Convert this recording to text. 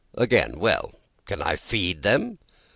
"Again, well? Can I feed them?"